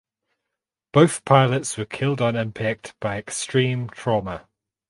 Both pilots were killed on impact by extreme trauma.